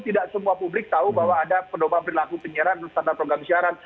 tidak semua publik tahu bahwa ada pendopak berlaku penyiaran dan standar penyiaran